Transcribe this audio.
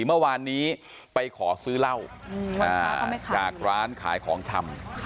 เมื่อวานนี้ไปขอซื้อเหล้าจากร้านขายของชำ